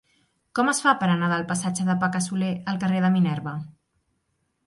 Com es fa per anar del passatge de Paca Soler al carrer de Minerva?